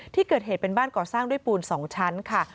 ที่เกิดเหตุเป็นบ้านก่อสร้างด้วยปูน๒ชั้นค่ะ